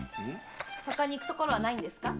ほかに行くところはないんですか？